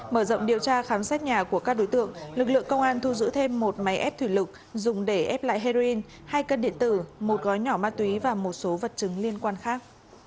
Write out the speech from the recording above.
mở rộng điều tra khám xét nhà của các đối tượng lực lượng công an thu giữ thêm một máy ép thủy lực dùng để ép lại heroin hai cân điện tử một gói nhỏ ma túy và một số vật chứng liên quan khác